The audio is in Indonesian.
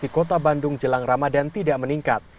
kota bandung jelang ramadhan tidak meningkat